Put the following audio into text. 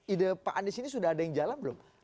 ide pak anies ini sudah ada yang jalan belum